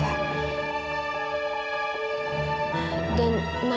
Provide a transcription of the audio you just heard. kamu bisa berbicara sama aku